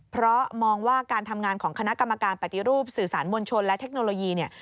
เพราะมองว่าการทำงานของคณะกรรมการปฏิรูปสื่อสารมวลชนและเทคโนโลยีเนี่ย